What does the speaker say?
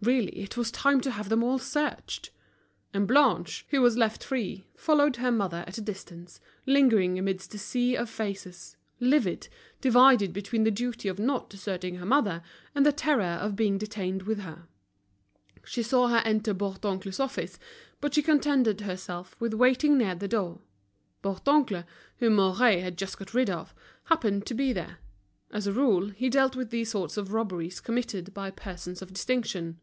Really it was time to have them all searched! And Blanche, who was left free, followed her mother at a distance, lingering amidst the sea of faces, livid, divided between the duty of not deserting her mother and the terror of being detained with her. She saw her enter Bourdoncle's office, but she contented herself with waiting near the door. Bourdoncle, whom Mouret had just got rid of, happened to be there. As a rule, he dealt with these sorts of robberies committed by persons of distinction.